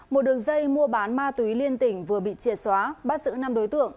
một đường dây mua bán ma túy liên tỉnh vừa bị triệt xóa bắt giữ năm đối tượng